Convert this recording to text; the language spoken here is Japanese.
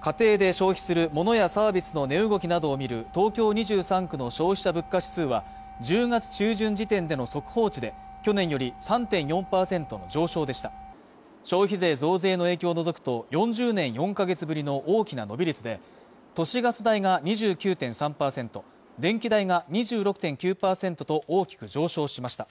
家庭で消費するモノやサービスの値動きなどを見る東京２３区の消費者物価指数は１０月中旬時点での速報値で去年より３．４％の上昇でした消費税増税の影響を除くと４０年４か月ぶりの大きな伸び率で都市ガス代が２９．３％電気代が２６．９％と大きく上昇しました